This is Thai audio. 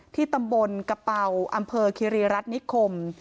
ที่ตำบลกระเป๋าอำเภอคิริรัตนิคม